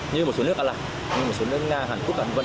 như một số nước ả lạc như một số nước nga hàn quốc hàn quốc